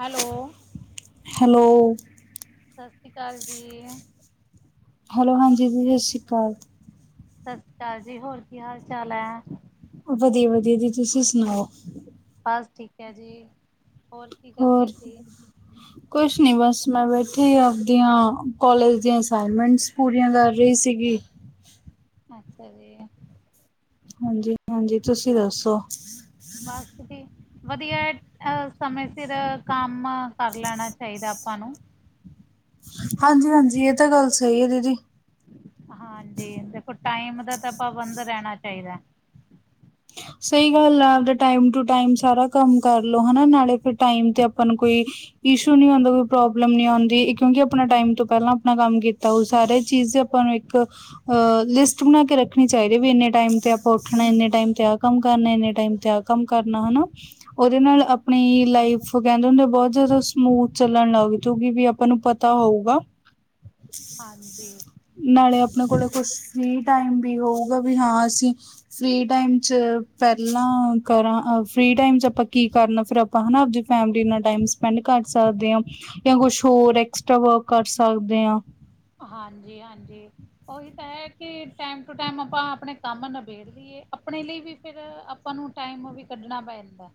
Hello. Hello. ਸਸਰੀ ਕਾਲ ਜੀ। Hello ਹਾਂਜੀ ਦੀਦੀ ਸਸ਼ਰੀ ਕਾਲ। ਸਸਰੀ ਕਾਲ ਜੀ ਹੋਰ ਕੀ ਹਾਲ-ਚਾਲ ਐ? ਵਦੀਆ-ਵਦੀਆ ਜੀ ਤੁਸੀਂ ਸੁਣਾਓ? ਬਸ ਠੀਕ ਐ ਜੀ। ਹੋਰ ਕੀ ਕਰਦੇ ਹੋਰ? ਸੀ ਕੁਛ ਨੀਂ ਬਸ ਮੈਂ ਬੈਠੀ ਆਪਦੀਆਂ, ਕੋਲਜ ਦੀਆਂ ਅਸਾਈਨਮੈਂਟਸ ਪੂਰੀਆਂ ਕਰ ਰਈ ਸੀਗੀ। ਅੱਛਾ ਜੀ। ਹਾਂਜੀ-ਹਾਂਜੀ, ਤੁਸੀਂ ਦੱਸੋ? ਬੱਸ ਜੀ, ਵਦੀਐ, ਐ ਸਮੇਂ ਸੇਰ ਕੰਮ ਕਰ ਲੈਣਾ ਚਾਈਦਾ ਆਪਾਂ ਨੂੰ। ਹਾਂਜੀ-ਹਾਂਜੀ, ਏ ਤਾਂ ਗੱਲ ਸਈ ਏ ਦੀਦੀ। ਹਾਂਜੀ, ਦੇਖੋ ਟਾਈਮ ਦਾ ਤਾਂ ਪਾਬੰਦ ਰੈਣਾ ਚਾਈਦੈ। ਸਈ ਗੱਲ ਆ ਆਵਦੇ ਟਾਈਮ ਟੂ ਟਾਈਮ ਸਾਰਾ ਕੰਮ ਕਰਲੋ ਹਨਾ ਨਾਲੇ ਫ ਟਾਈਮ ਤੇ ਅ ਪਾਂ ਨੂੰ ਕੋਈ, ਇਸ਼ੂ ਨੀ ਆਉਂਦਾ ਕੋਈ ਪ੍ਰੋਬਲਮ ਨੀ ਆਂਦੀ ਕਿਉਂਕਿ ਆਪਣਾ ਟਾਈਮ ਤੋਂ ਪੈਲਾਂ ਆਪਣਾ ਕੰਮ ਕੀ ਤਾ ਹੋਉ ਸਾਰੇ ਚੀਜ਼ ਆਪਾਂ ਨੂੰ ਇਕ, ਆ ਲਿਸਟ ਬਣਾ ਕੇ ਰੱਖਣੀ ਚਾਈਦੀ ਏ ਵੀ ਏਨੇ ਟਾਈਮ ਤੇ ਆ ਪਾ ਉੱਠਣਾ ਏਨੇ ਟਾਈਮ ਤੇ ਆ ਕੰਮ ਕਰਨੈ, ਏਨੇ ਟਾਈਮ ਤੇ ਆ ਕੰਮ ਕਰਨਾ ਹਨਾ ਓਦੇ ਨਾਲ ਆਪਨੀ ਲਾਈਫ ਓ ਕੈਦੇ ਹੁੰਦੇਆ ਬਹੋ ਜਾਦਾ ਸਮੂਥ ਚੱਲਣ ਲੱਗ ਜੂਗੀ ਵੀ ਆਪਾਂ ਨੂੰ ਪਤਾ ਹੋਊਗਾ। ਹਾਂਜੀ। ਨਾਲੇ ਆਪਣੇ ਕੋਲੇ ਕੁਛ, ਫ੍ਰੀ ਟਾਈਮ ਵੀ ਹੋਊਗਾ, ਵੀ ਹਾਂ ਅਸੀਂ ਫ੍ਰੀ ਟਾਈਮ 'ਚ ਪਹਿਲਾਂ ਕਰਾਂ ਅ ਫਰੀ ਟਾਈਮ 'ਚ ਆਪਾਂ ਕੀ ਕਰਨਾ ਫਿਰ ਆਪਾਂ ਹਨਾ ਆਪਦੀ ਫੈਮਿਲੀ ਨਾਂ ਟਾਈਮ ਸਪੈਂਡ ਕਰ ਸਕਦੇ ਆਂ ਜਾਂ ਕੁਛ ਹੋਰ ਐਕਸਟ੍ਰਾ ਵਰਕ ਕਰ ਸਕਦੇ ਆਂ। ਹਾਂਜੀ -ਹਾਂਜੀ। ਉਹੀ ਤਾਂ ਹੈ ਕਿ ਟਾਈਮ ਟੂ ਟਾਈਮ ਆਪਾਂ ਆਪਣੇ ਕੰਮ ਨਬੇੜ ਲਈਏ, ਆਪਣੇ ਲਈ ਵੀ ਫਿਰ ਆਪਾਂ ਨੂੰ ਟਾਈਮ ਵੀ ਕੱਢਣਾ ਪੈ ਜਾਂਦਾ।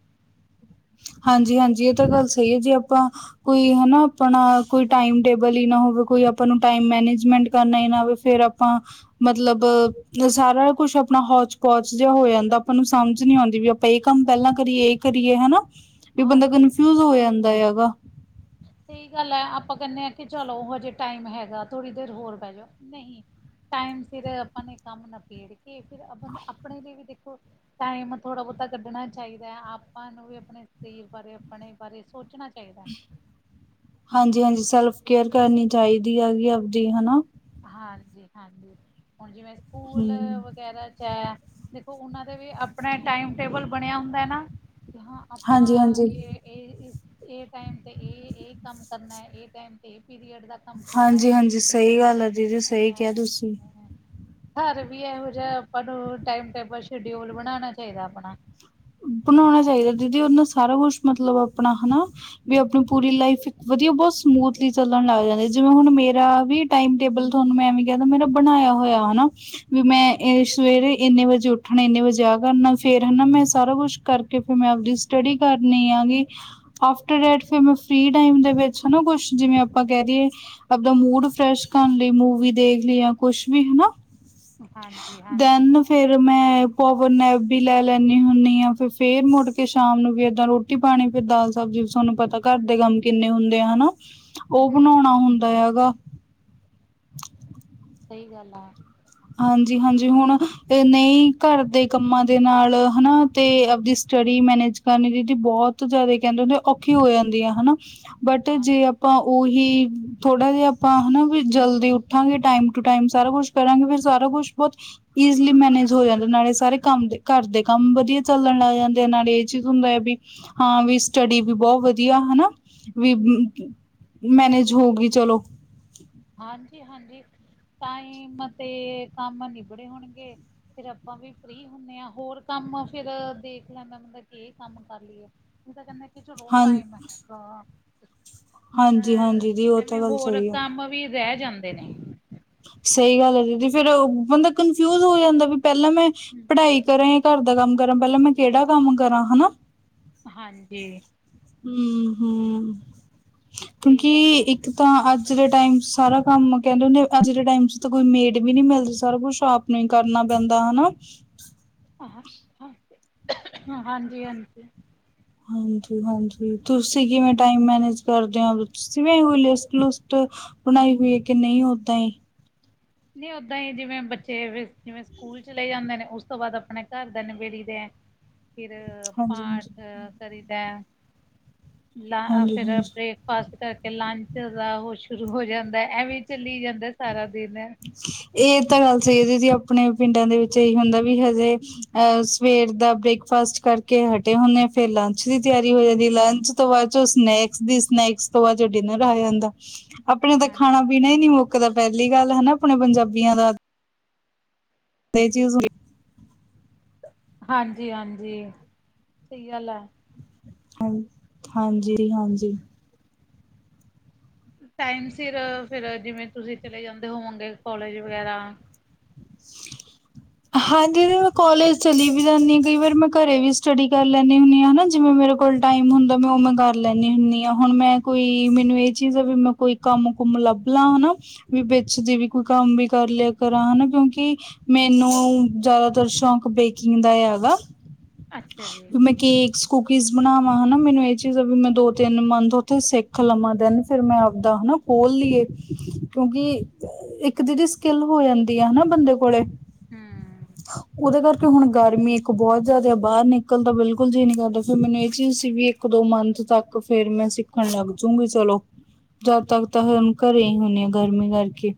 ਹਾਂਜੀ- ਹਾਂਜੀ ਇਹ ਤਾਂ ਗੱਲ ਸਈ ਏ ਜੇ ਆਪਾਂ ਕੋਈ ਹਨਾ ਆਪਣਾ ਕੋਈ ਟਾਈਮ ਟੇਬਲ ਈ ਨਾ ਹੋਵੇ, ਕੋਈ ਆਪਾਂ ਨੂੰ ਟਾਈਮ ਮੈਨੇਜਮੈਂਟ ਕਰਨਾ ਈ ਆਵੇ ਫਿਰ ਆਪਾਂ, ਮਤਲਬ ਸਾਰਾ ਕੁਛ ਆਪਣਾ ਹੌਚ ਪੌਚ ਜਾ ਹੋ ਜਾਂਦਾ, ਆਪਾਂ ਨੂੰ ਸਮਝ ਨੀ ਆਉਂਦੀ ਵੀ ਆਪਾਂ ਏ ਕੰਮ ਪਹਿਲਾਂ ਕਰੀਏ ਕਰੀਏ ਹਨਾ, ਵੀ ਬੰਦਾ ਹਾਂਜੀ ਕਨਫਿਊਜ ਹੋ ਜਾਂਦਾ ਹੈਗਾ। ਸਹੀ ਗੱਲ ਐ, ਆਪਾਂ ਕੈਨੇ ਏ ਕਿ ਚਲੋ ਹਜੇ ਟਾਈਮ ਹੈਗਾ, ਥੋੜ੍ਹੀ ਦੇਰ ਹੋਰ ਬੈਜੋ, ਨਹੀਂ ਟਾਈਮ ਸਿਰ ਆਪਾਂ ਨੇ ਕੰਮ ਨਾਬੇੜ ਕੇ, ਫਿਰ ਅ ਬੰਦਾ ਆਪਣੇ ਲਈ ਵੀ ਦੇਖੋ ਟਾਈਮ ਥੋੜ੍ਹਾ ਬਹੁਤਾ ਕੱਢਣਾ ਚਾਈਦੈ, ਆਪਾਂ ਨੂੰ ਵੀ ਆਪਣੇ ਸਰੀਰ ਬਾਰੇ, ਆਪਣੇ ਬਾਰੇ, ਸੋਚਣਾ ਚਾਹੀਦਾ। ਹਾਂਜੀ -ਹਾਂਜੀ ਸੈਲਫ ਕੇਅਰ ਕਰਨੀ ਚਾਈਦੀ ਹੈਗੀ ਅਵਦੀ, ਹਨਾ। ਹਾਂਜੀ -ਹਾਂਜੀ, ਹੁਣ ਜਿਵੇਂ ਸਕੂਲ ਹਮ ਵਗੈਰਾ ਐ, ਦੇਖੋ ਉਹਨਾਂ ਦੇ ਆਪਣੇ ਟਾਈਮ ਟੇਬਲ ਬਣਿਆ ਹੁੰਦਾ ਨਾ। ਕਿ ਹਾਂ ਆਪਾਂ ਹਾਂਜੀ ਹਾਂਜੀ ਏ- ਏ, ਏ ਟਾਈਮ ਤੇ ਏ- ਏ ਕੰਮ ਕਰਨਾ ਏ ਟਾਈਮ ਤੇ ਏ ਪੀਰੀਅਡ ਦਾ ਕੰਮ ਕਰਨਾ ਹਾਂਜੀ- ਹਾਂਜੀ ਸਈ ਗੱਲ ਆ ਦੀਦੀ, ਹੈ ਸਈ ਕਿਹਾ ਤੁਸੀਂ। ਹਾਂ ਘਰ ਵੀ ਇਹੋ ਜਾ ਆਪਾਂ ਨੂੰ ਟਾਈਮ ਟੇਬਲ ਸ਼ਡਿਊਲ ਬਣਾਣਾ ਚਾਈਦਾ ਆਪਣਾ। ਬਣਾਉਣਾ ਚਾਈਦਾ ਦੀਦੀ ਉਨਾਂ ਸਾਰਾ ਕੁੱਛ ਮਤਲਬ ਆਪਣਾ ਹਨਾ, ਵੀ ਆਪਣੀ ਪੂਰੀ ਲਾਈਫ ਇੱਕ ਵਧੀਆ ਬਹੁਤ ਸਮੂਥਲੀ ਚੱਲਣ ਲਗ ਜਾਂਦੇ ਜਿਵੇਂ ਹੁਣ ਮੇਰਾ ਵੀ ਟਾਈਮ ਟੇਬਲ ਤੁਹਾਨੂੰ ਮੈਂ ਐਵੇਂ ਕੈਦਾਂ ਮੇਰਾ ਬਣਾਇਆ ਹੋਇਆਾ ਹਨਾ। ਵੀ ਮੈਂ ਏ ਸਵੇਰੇ ਏਨੇ ਵਜੇ ਉੱਠਣਾ, ਏਨੇ ਵਜੇ ਆ ਕਰਨਾ, ਫੇਰ ਹਨਾ ਮੈਂ ਸ ਸਾਰਾ ਕੁਛ ਕਰਕੇ ਫਿਰ ਮੈਂ ਆਪਦੀ ਸਟੱਡੀ ਕਰਨੀ ਆ ਵੀ ਆਫਟਰ ਡੈਟ ਫਿਰ ਮੈਂ ਫਰੀ ਟਾਈਮ ਦੇ ਵਿੱਚ ਹਨਾ ਕੁਛ ਜਿਵੇਂ ਆਪਾਂ ਕਹਿ ਦੀਏ ਆਪਦਾ ਮੂਡ ਫਰੈਸ਼ ਕਰਨ ਲਈ ਮੂਵੀ ਦੇਖ ਲਈ ਜਾਂ ਕੁਛ ਵੀ ਹਨਾ। ਹਾਂਜੀ- ਹਾਂਜੀ। ਦੈਨ ਫੇਰ ਕੋਵਰਨੈਪ ਵੀ ਲੈ ਲੈਂਨੀ [inaudible] ਫਿਰ ਮੁੜ ਕੇ ਸ਼ਾਮ ਨੂੰ ਵੀ ਏਦਾਂ ਰੋਟੀ ਪਾਣੀ, ਫਿਰ ਦਾਲ ਸਬਜ਼ੀ ਸੋਨੂੰ ਪਤਾ ਘਰ ਦੇ ਕੰਮ ਕਿੰਨੇ ਹੁੰਦੇ ਆ ਹਨਾ, ਉਹ ਹੂੰ ਬਣਾਉਣਾ ਹੁੰਦਾ ਹੈਗਾ। ਸਹੀ ਗੱਲ ਆ। ਹਾਂਜੀ -ਹਾਂਜੀ ਹੁਨ, ਤੇ ਨਹੀਂ ਘਰ ਦੇ ਕੰਮਾਂ ਦੇ ਨਾਲ ਹਨਾ ਤੇ ਆਵਦੀ ਸਟੱਡੀ ਮੈਨੇਜ ਕਰਨ ਜਦੀ ਬਹੁਤ ਜਿਆਦਾ ਕਹਿੰਦੇ ਔਖੀ ਹੋ ਜਾਂਦੀ ਆ ਹਨਾ, ਬਟ ਹਾਂ ਜੇ ਤਾਂ ਉਹੀ ਥੋੜਾ ਜਿਹਾ ਆਪਾਂ ਹਨਾ ਵੀ ਜਲਦੀ ਉੱਠਾਂਗੇ, ਟਾਈਮ ਟੂ ਟਾਈਮ ਸਾਰਾ ਕੁਛ ਕਰਾਂਗੇ ਫਿਰ ਸਾਰਾ ਕੁਛ ਬਹੁ ਈਜ਼ਲੀ ਮੈਨੇਜ ਹੋ ਜਾਂਦਾ, ਨਾਲੇ ਸਾਰੇ ਕੰਮ ਦੇ ਘਰ ਦੇ ਕੰਮ ਵਧੀਆ ਚੱਲਣ ਲੱਗ ਜਾਂਦੇ ਆ, ਨਾਲੇ ਇਹ ਚੀਜ਼ ਹੁੰਦਾ ਹੈ ਵੀ ਹਾਂ ਵੀ ਸਟੱਡੀ ਵੀ ਬਹੁਤ ਵਧੀਆ ਹਨਾ, ਵੀ ਮੈਨੇਜ ਹੋਗੀ ਚਲੋ। ਹਾਂਜੀ- ਹਾਂਜੀ ਟਾਈਮ ਤੇ ਕੰਮ ਨਿਬੜੇ ਹੋਣਗੇ ਫਿਰ ਆਪਾਂ ਵੀ ਫਰੀ ਹੁੰਨੇ ਆਂ, ਹੋਰ ਕੰਮ ਫਿਰ ਦੇਖ ਲੈਂਦਾ ਬੰਦਾ ਕਿ ਏ ਕੰਮ ਕਰ ਲਈਏ। ਨਹੀਂ ਤਾਂ ਕਹਿੰਦੇ ਕਿ ਚਲੋ ਹਾਂ ਟਾਈਮ ਹੈਗਾ। ਹਾਂਜੀ ਤਾਂ ਹਾਂਜੀ ਦੀ ਉਹ ਤਾਂ ਐਵੇਂ ਗੱਲ ਹੋਰ ਸਹੀ ਆ ਕੰਮ ਵੀ ਰਹਿ ਜਾਂਦੇ ਨੇ। ਸਹੀ ਗੱਲ ਹੈ ਦੀਦੀ, ਫੇਰ ਬੰਦਾ ਕਨਫਿਊਜ ਹੋ ਜਾਂਦਾ ਵੀ ਪਹਿਲਾਂ ਮੈਂ ਪੜ੍ਹਾਈ ਕਰਾਂ ਘਰ ਦਾ ਕੰਮ ਕਰਾਂ ਪਹਿਲਾਂ ਮੈਂ ਕਿਹੜਾ ਕੰਮ ਕਰਾਂ ਹਨਾ। ਹਾਂਜੀ। ਹੂੰ- ਹੂੰ, ਸਹੀ ਕਿਉਂਕਿ ਗੱਲ ਹੈ ਇ- ਕ ਤਾਂ ਅੱਜ ਦੇ ਟਾਈਮ ਚ ਸਾਰਾ ਕੰਮ ਕਹਿੰਦੇ ਅੱਜ ਦੇ ਟਾਈਮ ਚ ਤਾਂ ਕੋਈ ਮੇਡ ਵੀ ਨੀ ਮਿਲਦੀ ਸਾਰਾ ਕੁੱਛ ਆਪ ਨੂੰ ਹੀਂ ਕਰਨਾ ਪੈਂਦਾ, ਹਨਾ। ਹਾਂ-ਹਾਂ ਹਾਂਜੀ-ਹਾਂਜੀ। ਹਾਂਜੀ- ਹਾਂਜੀ ਤੁਸੀਂ ਕਿਵੇਂ ਟਾਈਮ ਮੈਨੇਜ ਕਰਦੇ ਹੋ ਤੁਸੀ ਵੀ ਐਵੇਂ ਲਿਸਟ-ਲੁਸਟ। ਬਣਾਈ ਹੋਈ ਹੈ ਕਿ ਨਹੀਂ ਓਦਾਂ ਹੀ। ਨਹੀਂ ਓਦਾਂ ਹੀ ਜਿਵੇਂ ਬੱਚੇ ਜਿਵੇਂ ਸਕੂਲ ਚਲੇ ਜਾਂਦੇ ਨੇ ਉਸ ਤੋਂ ਬਾਅਦ ਆਪਣੇ ਘਰ ਦਾ ਨਿਵੇੜੀ ਦਾ। ਫੇਰ ਆਪਾਂ ਹਾਂਜੀ ਹਾਂਜੀ ਪਾਠ ਕਰੀਦਾ। ਲਾ ਆ ਐ ਹਾਂਜੀ ਫੇਰ ਹਾਂਜੀ। ਏਦੇ ਫਾਸਟ ਕਰਕੇ ਲੰਚ ਦਾ ਉਹ ਸ਼ੁਰੂ ਹੋ ਜਾਂਦਾ ਐਵੇਂ ਚੱਲੀ ਜਾਂਦਾ ਸਾਰਾ ਦਿਨ। ਇਹ ਤਾਂ ਗੱਲ ਸਹੀ ਹੈ ਦੀਦੀ ਆਪਣੇ ਪਿੰਡਾਂ ਦੇ ਵਿੱਚ ਇਹੀ ਹੁੰਦਾ ਵੀ ਹਜੇ ਅਹ ਸਵੇਰ ਦਾ ਬ੍ਰੇਕਫਾਸਟ ਕਰਕੇ ਹਟੇ ਹੁੰਦੇ ਆ ਫੇਰ ਲੰਚ ਦੀ ਤਿਆਰੀ ਹੋ ਜਾਂਦੀ। ਲੰਚ ਉਸ ਤੋਂ ਬਾਅਦ ਚੋ ਸਨੈਕਸ ਦੀ ਸਨੈਕਸ ਤੋਂ ਬਾਅਦ ਚੋ ਡਿਨਰ ਹੋ ਆ ਜਾਂਦਾ। ਆਪਣੇ ਤਾਂ ਖਾਣਾ- ਹਾਂਜੀ ਪੀਣਾ ਹੀ ਨਹੀ ਮੁੱਕਦਾ ਪਹਿਲੀ ਗੱਲ ਹਨਾ ਆਪਣੇ ਪੰਜਾਬੀਆਂ ਦਾ। ਤੇ ਏ ਚੀਜ਼ ਹ ਹਾਂਜੀ- ਹਾਂਜੀ ਸਹੀ ਗੱਲ ਆ। ਹਾਂ, ਹਾਂਜੀ- ਹਾਂਜੀ। ਟਾਈਮ ਸਿਰ ਫੇਰ ਜਿਵੇਂ ਤੁਸੀਂ ਚਲੇ ਜਾਂਦੇ ਹੋਵੋਗੇ ਕੋਲਜ ਵਗੈਰਾ। [inaudible] ਹਾਂਜੀ ਦੀ ਮੈਂ ਕੋਲਜ਼ ਚਲੀ ਵੀ ਜਾਂਦੀ ਹਾਂ ਕਈ ਵਾਰ ਮੈਂ ਘਰੇ ਵੀ ਸਟੱਡੀ ਕਰ ਲੈਂਦੀ ਹੁੰਦੀ ਹਾਂ ਹਨਾ ਜਿਵੇਂ ਮੇਰੇ ਕੋਲ ਟਾਈਮ ਹੁੰਦਾ ਮੈਂ ਉਹ ਮੈਂ ਕਰ ਲੈਂਨੀ ਹੁੰਨੀ ਹਾਂ, ਹੁਣ ਮੈਂ ਕੋਈ ਮੈਨੂੰ ਇਹ ਚੀਜ਼ ਆ ਵੀ ਮੈਂ ਕੋਈ ਕੰਮ ਕੁਮ ਲੱਭ ਲਾਂ ਹਨਾ, ਵੀ ਵਿੱਚ ਦੀ ਵੀ ਕੋਈ ਕੰਮ ਵੀ ਕਰ ਲਿਆ ਕਰਾ ਹਨਾ ਕਿਉਂਕਿ ਕਿ ਮੈਨੂੰ ਜ਼ਿਆਦਾਤਰ ਸ਼ੌਕ ਬੇਕਿੰਗ ਦਾ ਵਾ। ਅੱਛਾ ਜੀ। ਕੇਕਸ, ਕੁਕੀਜ ਬਣਾਵਾਂ ਹਨਾ ਮੈਨੂੰ ਇਹ ਚੀਜ਼ ਵੀ ਮੈਂ ਦੋ ਤਿੰਨ ਮੰਨਥ ਉੱਥੇ ਸਿੱਖ ਲਵਾਂ ਦਿਨ ਫੇਰ ਮੈਂ ਆਵਦਾ ਹਨਾ ਖੋਲ ਲਈਏ ਕਿਉਂਕਿ ਇੱਕ ਦੀਦੀ ਸਕਿੱਲ ਹੋ ਜਾਂਦੀ ਆ ਹਨਾ ਬੰਦੇ ਕੋਲੇ, ਹਮ ਉਹਦੇ ਕਰ ਕੇ ਹੁਣ ਗਰਮੀ ਇੱਕ ਬੋਹ ਜ਼ਿਆਦਾ ਆ ਬਾਹਰ ਨਿਕਲ ਦਾ ਬਿਲਕੁਲ ਜੀ ਨੀ ਕਰਦਾ ਫੇਰ ਮੈਨੂੰ ਇਹ ਚੀਜ਼ ਸੀ ਵੀ ਇੱਕ- ਦੋ ਮੰਥ ਤੱਕ ਫੇਰ ਮੈਂ ਸਿੱਖਣ ਲੱਗ ਜੂਗੀ ਚਲੋ। ਜਦ ਤੱਕ ਤਾਂ ਹੋਮ ਘਰੇ ਈ ਹੁਣੀ ਆ ਗਰਮੀ ਕਰਕੇ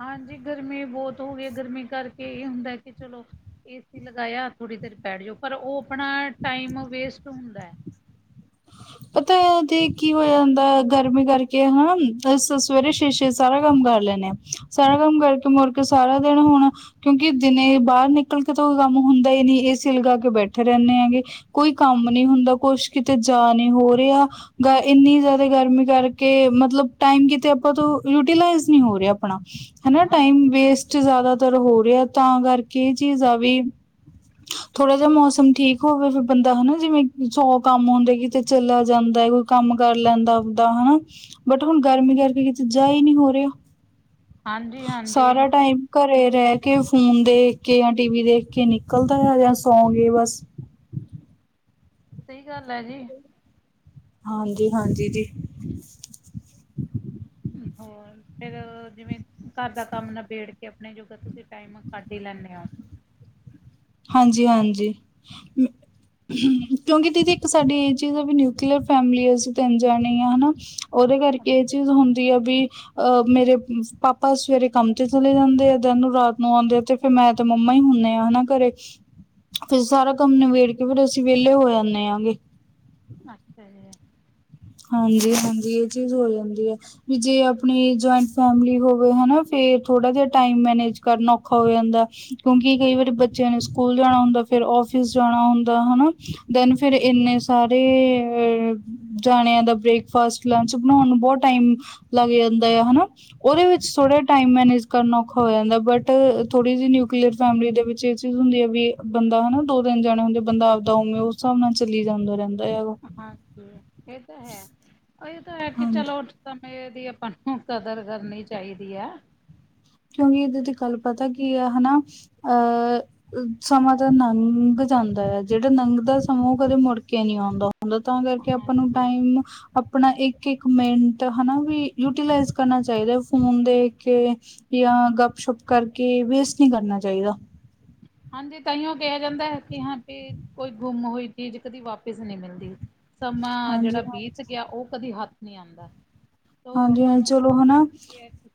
ਹਾਂਜੀ ਗਰਮੀ ਬੋਤ ਹੋ ਗਈ ਗਰਮੀ ਕਰਕੇ ਇਹ ਹੁੰਦਾ ਕਿ ਚਲੋ ਏ ਸੀ ਲਗਾਇਆ ਥੋੜੀ ਦੇਰ ਬੈਠ ਜਾਓ ਪਰ ਉਹ ਆਪਣਾ ਟਾਈਮ ਵੇਸਟ ਹੁੰਦਾ ਹੈ। ਪਤਾ ਤੇ ਕੀ ਹੋ ਜਾਂਦਾ ਗਰਮੀ ਕਰਕੇ ਹਨਾ ਅਸੀਂ ਸਵੇਰੇ ਛੇ- ਛੇ ਸਾਰਾ ਕੰਮ ਕਰ ਲੈਂਣੇ ਆ। ਸਾਰਾ ਕੰਮ ਕਰਕੇ ਮੁਰਕੇ ਸਾਰਾ ਦਿਨ ਹੁਣ ਕਿਉਂਕਿ ਦਿਨੇ ਬਾਰ ਨਿਕਲ ਕੇ ਤਾਂ ਕੋਈ ਕੰਮ ਹੁੰਦਾ ਈ ਨੀ ਏ‌ ਸੀ ਲਗਾ ਕੇ ਬੈਠੇ ਰਹਿਣੇ ਆ ਗੇ। ਕੋਈ ਕੰਮ ਨੀ ਹੁੰਦਾ ਕੁਛ ਕਿਤੇ ਜਾ ਨੀ ਹੋ ਰਿਹਾ। ਗਾ ਇੰਨੀ ਜ਼ਿਆਦਾ ਗਰਮੀ ਕਰਕੇ ਮਤਲਬ ਟਾਈਮ ਕਿਤੇ ਆਪਾਂ ਤੋਂ ਯੂਟੀਲਾਈਜ਼ ਨੀ ਹੋ ਰਿਹਾ ਆਪਣਾ। ਹਨਾ ਟਾਈਮ ਹਾਂਜੀ ਵੇਸਟ ਹਾਂਜੀ। ਜ਼ਿਆਦਾਤਰ ਹੋ ਰਿਹਾ ਤਾਂ ਕਰਕੇ ਇਹ ਚੀਜ਼ ਆ ਵੀ ਥੋੜਾ ਜੇਹਾ ਮੌਸਮ ਠੀਕ ਹੋਵੇ ਫੇ ਬੰਦਾ ਹਨਾ ਜਿਵੇਂ ਸੌ ਕੰਮ ਹੁੰਦਾ। ਕਿਤੇ ਚਲਾ ਜਾਂਦਾ ਕੋਈ ਕੰਮ ਕਰ ਲੈਂਦਾ ਆਵਦਾ ਹਨਾ। ਬਟ ਹੁਣ ਗਰਮੀ ਕਰਕੇ ਕਿਤੇ ਜਾ ਈ ਨੀ ਹੋ ਰਿਹਾ, ਹਾਂਜੀ ਹਾਂਜੀ ਸਾਰਾ ਟਾਈਮ ਘਰੇ ਰਹਿ ਕੇ ਫ਼ੋਨ ਦੇਖ ਕੇ ਜਾਂ ਟੀ ਵੀ ਦੇਖ ਕੇ ਨਿਕਲਦਾ ਆ ਜਾਂ ਸੋ ਗੇ ਬਸ ਸਈ ਗੱਲ ਆ ਜੀ। ਹਾਂਜੀ- ਹਾਂਜੀ, ਜੀ। ਹੋਰ ਫੇਰ, ਜਿਵੇਂ ਘਰ ਦਾ ਕੰਮ ਨਬੇੜ ਕੇ ਅਪਨੇ ਜੋਗਾ ਤੁਸੀਂ ਟਾਈਮ ਕੱਢ ਈ ਲੈਂਨੇ ਆ। ਹਾਂਜੀ- ਹਾਂਜੀ। ਹੂੰ, ਕਿਉਂਕਿ ਦੀਦੀ, ਇੱਕ ਸਾਡੀ ਚੀਜ਼ ਆ ਵੀ ਨਿਊਕਲੀਅਰ ਫੈਮਿਲੀ ਅਸੀਂ 'ਤੇ ਅਨਜਾਨੇ ਆ, ਹਨਾ? ਓਦੇ ਕਰਕੇ ਇਹ ਚੀਜ਼ ਹੁੰਦੀ ਆ ਬਈ। ਅਹ, ਮੇਰੇ ਪਾਪਾ ਸਵੇਰੇ ਕੰਮ ਤੇ ਚਲੇ ਜਾਂਦੇ ਆ ਦਿਨ ਨੂੰ, ਰਾਤ ਨੂੰ ਆਂਦੇ ਆ ਤੇ ਫੇਰ ਮੈਂ 'ਤੇ ਮੰਮਾ ਈ ਹੁਨੇ ਆ ਨਾ ਘਰੇ। ਫੇਰ ਸਾਰਾ ਕੰਮ ਨਿਬੇੜ ਕੇ ਫੇਰ ਅਸੀਂ ਵੇਲੇ ਹੋ ਜਾਨੇ ਆ ਅਗੇ। ਅੱਛਾ ਜੀ। ਹਾਂਜੀ-ਹਾਂਜੀ, ਇਹ ਚੀਜ਼ ਹੋ ਜਾਂਦੀ ਐ। ਵੀ ਜੇ ਆਪਨੀ ਜੋਇੰਟ ਫੈਮਲੀ ਹੋਵੇ, ਹਨਾ, ਫੇਰ ਥੋੜ੍ਹਾ ਜਾ ਟਾਈਮ ਮੈਨਜ ਕਰਨਾ ਔਖਾ ਹੋ ਜਾਂਦੈ, ਕਿਉਂਕਿ ਕਈ ਵਾਰੀ ਬੱਚਿਆਂ ਨੇ ਸਕੂਲ ਜਾਨਾ ਹੁੰਦਾ, ਫਿਰ ਔਫਿਸ ਜਾਨਾ ਹੁੰਦਾ, ਹਨਾ। ਦੈਨ ਫੇਰ ਇੰਨੇ ਸਾਰੇ ਜਾਣਿਆਂ ਦਾ ਬ੍ਰੇਕਫਾਸਟ, ਲੰਚ ਬਨਾਉਨ ਨੂੰ ਬੋਤ ਟਾਈਮ ਲੱਗ ਜਾਂਦੈ, ਹਨਾ? ਉਦੇ ਵਿੱਚ ਥੋੜ੍ਹਾ ਜਾ ਟਾਈਮ ਮੈਨੇਜ ਕਰਨਾ ਔਖਾ ਹੋ ਜਾਂਦੈ, ਬਟ ਥੋੜ੍ਹੀ ਜੀ ਨਿਊਕਲੀਅਰ ਫੈਮਿਲੀ ਦੇ ਵਿੱਚ ਏਹ ਚੀਜ਼ ਹੁੰਦੀ ਹੈ ਵੀ, ਬੰਦਾ ਹਨਾ, ਦੋ ਦਿਨ ਜਾਨਾ ਹੁੰਦੈ, ਬੰਦਾ ਆਪਦਾ ਉਵੇਂ ਉਸ ਸਬ ਨਾਲ ਚਲੀ ਜਾਂਦੈ, ਰੈਂਦੈ ਯਾਰ ਓ। ਹਾਂਜੀ, ਏਅ ਤਾਂ ਹੈ, ਏਅ ਤਾਂ ਹੈ ਕਿ ਹਾਂਜੀ ਚਲੋ ਸਮੇਂ ਦੀ ਆਪਾਂ ਨੂੰ ਕਦਰ ਕਰਨੀ ਚਾਈਦੀ ਆ। ਕਿਉਂਕਿ ਇਦੇ ਤੇ ਕੱਲ ਪਤਾ ਕੀ ਆ, ਹਨਾ, ਅਹ ਸਮਾਂ ਤੇ ਨੰਘ ਜਾਂਦਾ ਐ, ਜੇੜਾ ਨੰਘਦਾ ਸਮਾਂ ਉਹ ਕਦੇ ਮੁੜ ਕੇ ਨੀ ਔਂਦਾ। ਹੁੰਦਾ ਤਾਂ ਕਰਕੇ ਆਪਾਂ ਨੂੰ ਹਾਂਜੀ। ਟਾਈਮ ਅਪਨਾ ਇੱਕ-ਇੱਕ ਮਿੰਟ, ਹਨਾ, ਵੀ ਯੂਟੀਲਾਈਜ਼ ਕਰਨਾ ਚਾਈਦਾ ਫ਼ੋਨ ਦੇਖ ਕੇ ਯਾ ਗੱਪ-ਸ਼ੱਪ ਕਰਕੇ ਵੇਸਟ ਨੀਂ ਕਰਨਾ ਚਾਈਦਾ। ਹਾਂਜੀ, ਤਾਂਈਓ ਕੇਆ ਜਾਂਦਾ ਐ ਕਿ ਹਾਂ, ਫਿਰ ਕੋਈ ਗੁੰਮ ਹੋਈ ਚੀਜ਼ ਕਦੀ ਵਾਪਿਸ ਨੀ ਮਿਲਦੀ। ਸਮਾਂ ਹਾਂਜੀ ਜੇੜਾ ਬੀਤ ਹਾਂਜੀ ਗਿਆ ਉਹ ਕਦੀ ਹੱਥ ਨੀ ਆਂਦਾ। ਤੋ ਹਾਂਜੀ- ਆਪਾਂ ਹਾਂਜੀ, ਨੂੰ ਚਲੋ ਹਨਾ,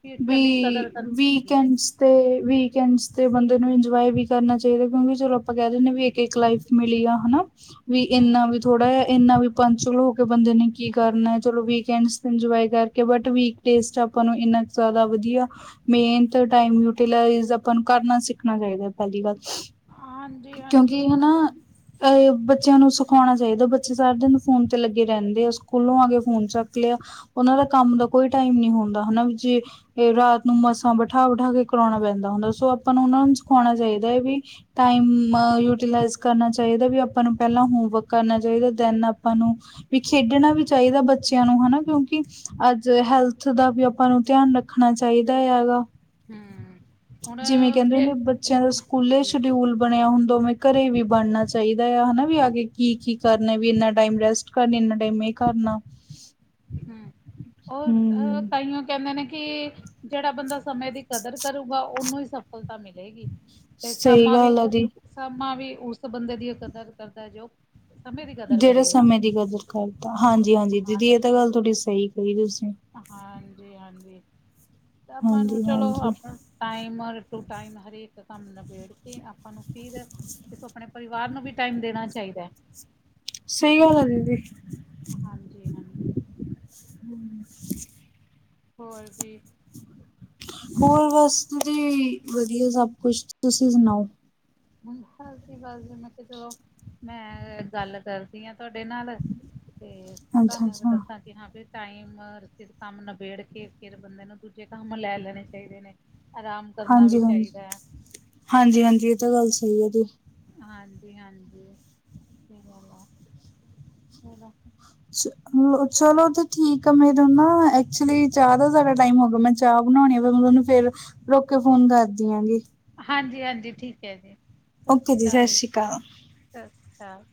ਫਿਊਚਰ ਲਈ ਬਈ, ਕਦਰ ਕਰਨੀ ਚਾਹੀਦੀ ਹੈ ਵੀਕਐਂਡਸ 'ਤੇ ਵੀਕਐਂਡਸ 'ਤੇ ਬੰਦੇ ਨੂੰ ਇੰਜੋਏ ਵੀ ਕਰਨਾ ਚਾਈਦਾ, ਕਿਉਂਕਿ ਚਲੋ ਆਪਾਂ ਕੈਅ ਦੇਨੇ ਵੀ ਇੱਕ-ਇੱਕ ਲਾਈਫ। ਮਿਲੀ ਆ ਹਨਾ, ਵੀ ਹੂੰ। ਇੰਨਾ ਵੀ ਥੋੜਾ ਜੇਆ ਇੰਨਾ ਵੀ ਪੰਚੁਅਲ ਹੋ ਕੇ ਬੰਦੇ ਨੇ ਕੀ ਕਰਨਾ, ਚਲੋ ਵੀਕਐਂਡਸ 'ਤੇ ਇੰਜੋਏ ਕਰ। ਕੇ ਬਟ ਵੀਕ ਟੇਸਟ ਆਪਾਂ ਨੂੰ ਇੰਨਾ ਜਾਦਾ ਵਦੀਆ ਮੇਨ ਤਾ ਟਾਈਮ ਯੂਟੀਲਾਈਜ਼ ਆਪਾਂ ਨੂੰ ਕਰਨਾ ਸਿੱਖਨਾ ਚਾਈਦਾ, ਪੈਲੀ ਗੱਲ। ਹਾਂਜੀ ਹਾਂਜੀ। ਕਿਉਂਕਿ, ਹਨਾ ਐਹ, ਬੱਚਿਆਂ ਨੂੰ ਸਿਖਾਉਨਾ ਚਾਈਦਾ। ਬੱਚੇ ਸਾਰਾ ਦਿਨ ਫੋਨ 'ਤੇ ਲੱਗੇ ਰੈਂਦੇ ਆ, ਸਕੂਲੋਂ ਆ ਕੇ ਫੋਨ ਚੱਕ ਲਿਆ। ਉਨਾਂ ਦਾ ਕੰਮ ਦਾ ਕੋਈ ਟਾਈਮ ਨੀ ਹੁੰਦਾ, ਹਨਾ ਜੀ? ਏਅ ਰਾਤ ਨੂੰ ਮਸਾ ਬਿਠਾ-ਬਿਠਾ ਕੇ ਕਰਾਨਾ ਪੈਂਦਾ ਹੁੰਦਾ, ਸੋ ਆਪਾਂ ਨੂੰ ਉਨਾ ਨੂੰ ਸਿਖਾਨਾ ਚਾਈਦੈ, ਬਈ ਟਾਈਮ ਨਾਲ ਯੂਟੀਲਾਈਜ਼ ਕਰਨਾ ਚਾਈਦਾ, ਵੀ ਆਪਾਂ ਨੂੰ ਪਹਿਲਾਂ ਹੋਮਵਰਕ ਕਰਨਾ ਚਾਈਦੈ, ਦੈਨ ਆਪਾਂ ਨੂੰ ਵੀ ਖੇਡਨਾ ਵੀ ਚਾਈਦਾ ਬੱਚਿਆਂ ਨੂੰ, ਹਨਾ, ਕਿਉਂਕਿ ਅੱਜ ਹੈਲਥ ਦਾ ਵੀ ਆਪਾਂ ਨੂੰ ਧਿਆਨ ਰੱਖਣਾ ਚਾਈਦਾ, ਯਾ ਲਾ? ਹੂੰ ਹੁਣ ਜਿਵੇਂ ਕੈਂਦੇ ਜੇ ਹੁੰਦੇ, ਬ ਜਿਵੇ ਸਕੂਲੇ ਸ਼ਡਿਊਲ ਬਣਿਆ ਹੁੰਦਾ, ਉਵੇਂ ਘਰੇ ਵੀ ਬਣਨਾ ਚਾਈਦਾ ਆ, ਹਨਾ? ਵੀ ਆ ਕੇ ਕੀ- ਕੀ ਕਰਨਾ ਵੀ, ਇੰਨਾ ਟੈਮ ਰੈਸਟ ਕਰਨੀ, ਇੰਨਾ ਟੈਮ ਇਹ ਕਰਨਾ। ਹੂੰ, ਓਹ-ਓਹ ਹੂੰ ਤਾਈਓ ਕੈਂਦੇ ਨੇ ਕਿ ਜੇੜਾ ਬੰਦਾ ਸਮੇਂ ਦੀ ਕਦਰ ਕਰੂਗਾ ਓਨੂੰ ਈ ਸਫਲਤਾ ਮਿਲੇਗੀ। ਤੇ ਸਹੀ ਸਮਾਂ ਵੀ ਗੱਲ ਆ ਓ ਦੀ ਸਮਾਂ ਵੀ ਉਸ ਬੰਦੇ ਦੀ ਕਦਰ ਕਰਦਾ ਜੋ ਸਮੇਂ ਦੀ ਕਦਰ ਜੇੜਾ ਕਰੇਗਾ। ਸਮੇਂ ਦੀ ਕਦਰ ਕਰਦਾ, ਹਾਂਜੀ-ਹਾਂਜੀ ਦੀਦੀ ਐ ਤੇ ਗੱਲ ਥੋਡੀ ਸਈ ਕਈ ਤੁਸੀਂ। ਹਾਂਜੀ-ਹਾਂਜੀ ਤਾਂ ਆਪਾਂ ਨੂੰ ਹਾਂਜੀ ਚਲੋ ਹਾਂਜੀ ਆਪਾਂ ਟਾਈਮ ਔਰ ਟੂ ਟਾਈਮ ਹਰੇਕ ਕੰਮ ਨਬੇੜ ਕੇ ਆਪਾਂ ਨੂੰ ਫਿਰ ਆਪਣੇ ਪਰਿਵਾਰ ਨੂੰ ਵੀ ਟਾਈਮ ਦੇਣਾ ਚਾਹੀਦਾ ਐ। ਸਈ ਗੱਲ ਐ ਦੀਦੀ। ਹਾਂਜੀ-ਹਾਂਜੀ। ਹੂੰ। ਹੋਰ ਜੀ। ਹੋਰ ਬਸ ਜੀ, ਵਦੀਆ ਸਭ ਕੁਛ, ਤੁਸੀਂ ਸੁਨਾਓ? [unintelligible] ਬਸ ਜੀ ਮੈਂ ਕੇਆ ਚੱਲੋ ਮੈਂ ਗੱਲ ਕਰਦੀ ਆਂ ਤੁਆਡੇ ਨਾਲ ਤੇ ਅੱਛਾ ਤੁਆਨੂੰ ਵੀ ਅੱਛਾ ਦੱਸਾਂ ਕਿ ਹਾਂ ਫਿਰ ਟਾਈਮ ਸਿਰ ਕੰਮ ਨਬੇੜ ਕੇ, ਫਿਰ ਬੰਦੇ ਨੂੰ ਦੂਜੇ ਕੰਮ ਲੈ ਲੈਣੇ ਚਾਈਦੇ ਨੇ। ਆਰਾਮ ਕਰਨਾ ਵੀ ਹਾਂਜੀ-ਹਾਂਜੀ, ਚਾਹੀਦਾ ਹੈ ਹਾਂਜੀ-ਹਾਂਜੀ, ਏ ਤਾਂ ਗੱਲ ਸਈ ਐ ਜੀ। ਹਾਂਜੀ-ਹਾਂਜੀ ਸਈ ਗੱਲ ਐ, ਚੱਲੋ [unintelligible] ਚਲੋ ਤੇ ਠੀਕ ਆ ਮੇਰਾ ਨਾ ਐਕਚੁਲੀ ਚਾਹ ਦਾ ਜਰਾ ਟਾਈਮ ਹੋ ਗਯਾ ਮੈਂ ਚਾਹ ਬਣਾਉਣੀ ਆ ਫਿਰ ਮੈ ਤੁਆਨੁ ਫਿਰ ਰੁਕ ਕੇ ਫੋਨ ਕਰਦੀ ਆ ਗੀ। ਹਾਂਜੀ-ਹਾਂਜੀ ਠੀਕ ਹੈ ਜੀ, ਸਸ ਓਕੇ ਸ਼੍ਰੀ ਜੀ ਸਤਿ ਕਾਲ। ਸ਼੍ਰੀ ਅਕਾਲ ਸਸ ਸ਼੍ਰੀ ਕਾਲ।